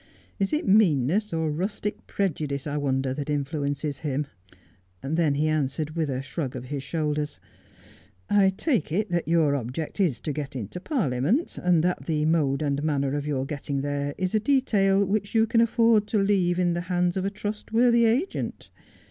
' Is it meanness, or rustic prejudice, I wonder, that influences him ?' Then he answered, with a shrug of his shoulders, —' I take it that your object is to get into Parliament, and that the mode and manner of your getting there is a detail which you could afford to leave in the hands of a trustworthy agent.